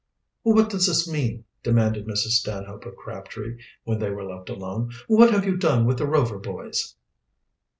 "What does this mean?" demanded Mrs. Stanhope of Crabtree, when they were left alone. "What have you done with the Rover boys?"